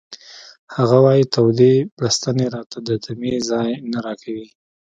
هغه وایی تودې بړستنې راته د دمې ځای نه راکوي